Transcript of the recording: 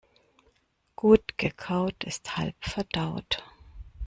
Gut gekaut ist halb verdaut.